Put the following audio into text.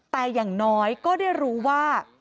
แต่อย่างน้อยก็ได้รู้ว่า